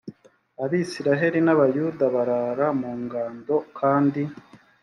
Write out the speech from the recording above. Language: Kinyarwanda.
abisirayeli n abayuda barara mu ngando kandi